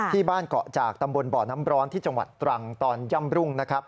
เกาะจากตำบลบ่อน้ำร้อนที่จังหวัดตรังตอนย่ำรุ่งนะครับ